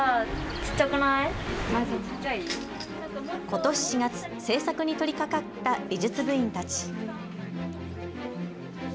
ことし４月、制作に取りかかった美術部員たち。